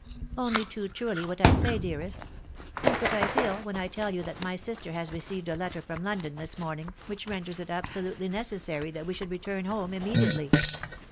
" Only too truly what I say, dearest ; think what I fefel, when I tell you that my sister has received a letter from London this morning, which renders it absolutely necessary that we should return home immediately."